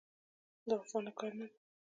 دا اسانه کار نه دی.